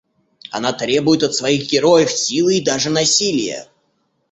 Она требует от своих героев силы и даже насилия.